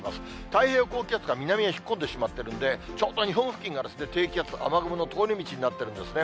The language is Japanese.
太平洋高気圧が南へ引っ込んでしまってるんで、ちょうど日本付近が低気圧と雨雲の通り道になってるんですね。